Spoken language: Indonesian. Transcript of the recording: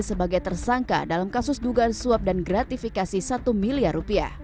sebagai tersangka dalam kasus dugaan suap dan gratifikasi rp satu miliar